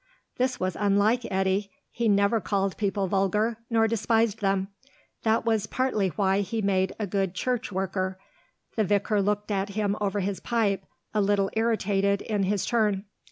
This was unlike Eddy; he never called people vulgar, nor despised them; that was partly why he made a good church worker. The vicar looked at him over his pipe, a little irritated in his turn.